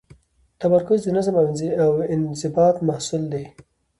تمرکز د نظم او انضباط محصول دی.